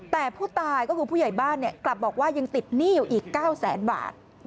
แต่ผู้ตายก็คือผู้ใหญ่บ้านกลับบอกว่ายังติดหนี้อยู่อีก๙แสนบาท